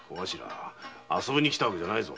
遊びに来た訳じゃないぞ。